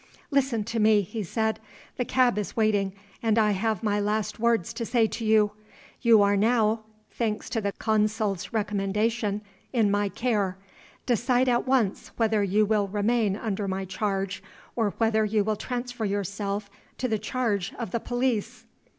"Listen to me," he said. "The cab is waiting, and I have my last words to say to you. You are now (thanks to the consul's recommendation) in my care. Decide at once whether you will remain under my charge, or whether you will transfer yourself to the charge of the police."